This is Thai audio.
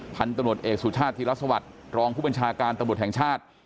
พันตำรวจเอกสุทธิศราชทีรัฐสวรรค์รองผู้บัญชาการตำรวจแห่งชาติ